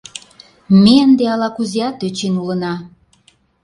— Ме ынде ала-кузеат тӧчен улына.